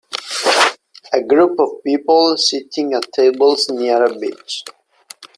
A group of people sitting at tables near a beach.